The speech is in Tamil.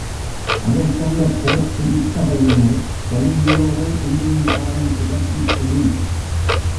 அதைக் கண்ட போப் திருச்சபையினர், கலீலியோவை எங்கிருந்தாலும் துரத்திப்பிடி!